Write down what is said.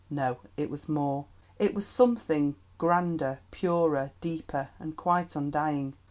No, it was more. It was something grander, purer, deeper, and quite undying.